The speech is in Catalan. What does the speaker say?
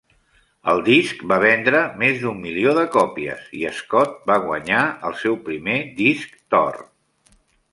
El disc va vendre més d"un milió de còpies i Scott va guanyar el seu primer disc d"or.